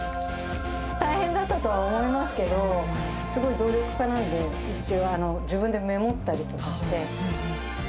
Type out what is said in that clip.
大変だったと思いますけど、すごい努力家なので、自分でメモったりとかして。